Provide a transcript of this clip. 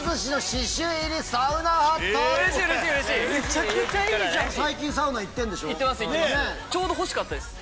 ちょうど欲しかったです。